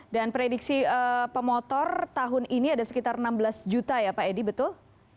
dan prediksi pemotor tahun ini ada sekitar enam belas juta ya pak edi betul